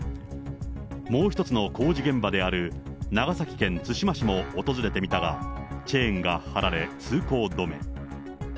もう１つの工事現場である長崎県対馬市も訪れてみたが、チェーンが張られ、通行止め。